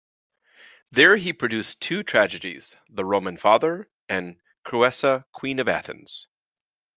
There he produced two tragedies: "The Roman Father" and "Creusa, Queen of Athens".